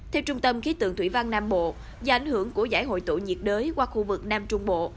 theo trung tâm khí tượng thủy văn nam bộ do ảnh hưởng của giải hội tụ nhiệt đới qua khu vực nam trung bộ